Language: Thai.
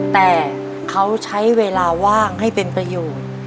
แต่เขาใช้เวลาว่างให้เป็นประโยชน์